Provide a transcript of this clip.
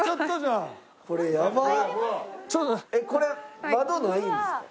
えっこれ窓ないんですか？